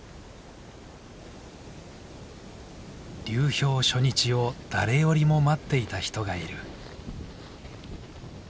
「流氷初日」を誰よりも待っていた人がいる。